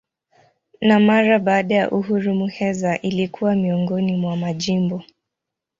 Na mara baada ya uhuru Muheza ilikuwa miongoni mwa majimbo.